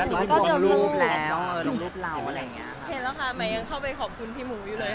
เห็นแล้วค่ะมันยังเข้าไปขอบคุณพี่หมูอยู่เลยค่ะ